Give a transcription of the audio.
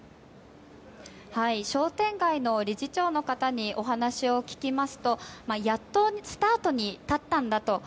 商店街の理事長の方にお話を聞きますとやっとスタートに立ったんだと。